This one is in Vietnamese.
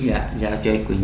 dạ giao cho ý quỳnh